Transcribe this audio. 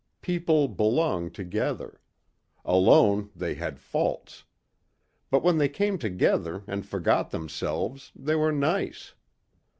People belonged together. Alone they had faults. But when they came together and forgot themselves they were nice.